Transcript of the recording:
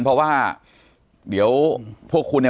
ปากกับภาคภูมิ